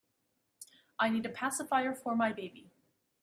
I need a pacifier for my baby.